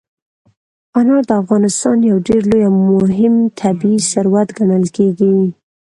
انار د افغانستان یو ډېر لوی او مهم طبعي ثروت ګڼل کېږي.